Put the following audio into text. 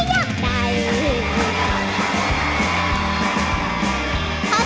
ขอบคุณครับ